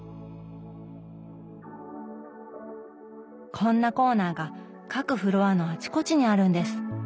こんなコーナーが各フロアのあちこちにあるんです。